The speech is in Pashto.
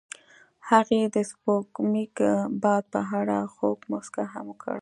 هغې د سپوږمیز باد په اړه خوږه موسکا هم وکړه.